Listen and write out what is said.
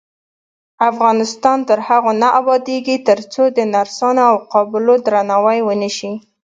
افغانستان تر هغو نه ابادیږي، ترڅو د نرسانو او قابلو درناوی ونشي.